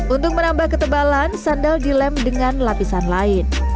untuk menambah ketebalan sandal dilem dengan lapisan lain